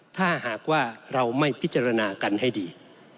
ถ้าหากว่าเราไม่พิจารณากันให้ดี